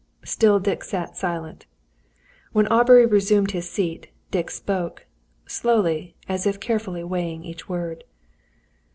Still Dick sat silent. When Aubrey resumed his seat, Dick spoke slowly, as if carefully weighing every word.